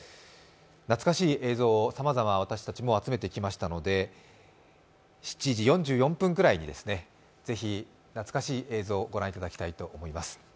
懐かしい映像をさまざま私たちも集めてきましたので、７時４４分ぐらいにぜひ懐かしい映像ご覧いただきたいと思います。